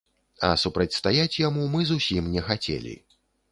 А супрацьстаяць яму мы зусім не хацелі.